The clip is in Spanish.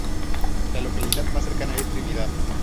La localidad más cercana es Trinidad.